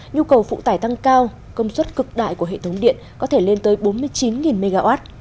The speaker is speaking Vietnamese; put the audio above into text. nhu cầu phụ tải tăng cao công suất cực đại của hệ thống điện có thể lên tới bốn mươi chín mw